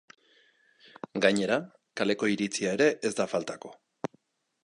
Gainera, kaleko iritzia ere ez da faltako.